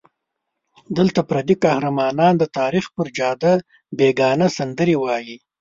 دلته پردي قهرمانان د تاریخ پر جاده بېګانه سندرې وایي.